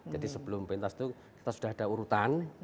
jadi sebelum pintas itu kita sudah ada urutan